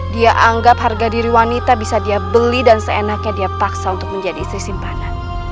dia anggap harga diri wanita bisa dia beli dan seenaknya dia paksa untuk menjadi istri simpanan